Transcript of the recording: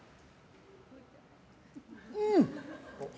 うん！